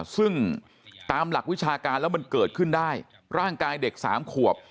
ซึ่งตามหลักวิชาการแล้วมันเกิดขึ้นได้ร่างกายเด็ก๓ขวบ